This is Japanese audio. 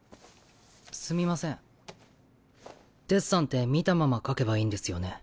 すみませんデッサンって見たまま描けばいいんですよね？